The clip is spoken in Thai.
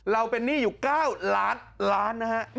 เราเป็นหนี้อยู่๙ล้านล้านนะฮะ